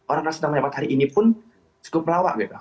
orang nasional menyebut hari ini pun cukup melawak gitu